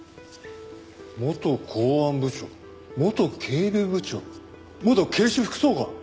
元公安部長元警備部長元警視副総監！